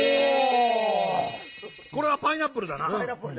これは「パイナップル」だな！